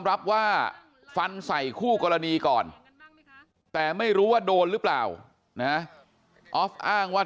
รับว่าฟันใส่คู่กรณีก่อนแต่ไม่รู้ว่าโดนหรือเปล่านะออฟอ้างว่า